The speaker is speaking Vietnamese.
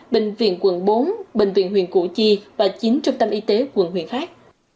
bệnh viện quận bốn bệnh viện huyện cụ chi và chín trung tâm y tế quận huyện pháp